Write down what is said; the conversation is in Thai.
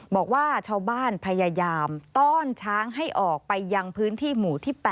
บอกว่าชาวบ้านพยายามต้อนช้างให้ออกไปยังพื้นที่หมู่ที่๘